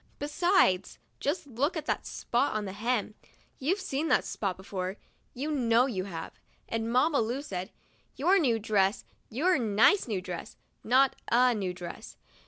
Besides, just look at that spot on the hem. You've seen that spot before — you know you have. And Mamma Lu said :* Your new dress, your nice new dress;* not 'a new dress.'